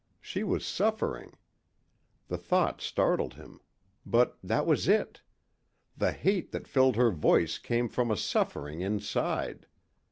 She was suffering! The thought startled him. But that was it. The hate that filled her voice came from a suffering inside.